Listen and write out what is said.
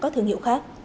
thương hiệu khác